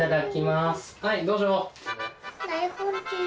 はいどうぞ。